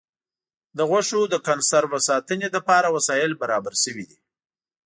د غوښو د کنسرو ساتنې لپاره وسایل برابر شوي دي.